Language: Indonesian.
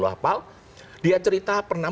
menghapal dia cerita pernah